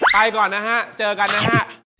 ไปก่อนนะฮะเจอกันนะฮะ